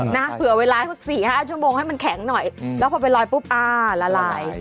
นะเผื่อเวลาสัก๔๕ชั่วโมงให้มันแข็งหน่อยแล้วพอไปลอยปุ๊บอ่าละลาย